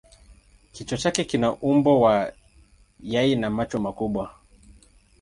Kichwa chake kina umbo wa yai na macho makubwa.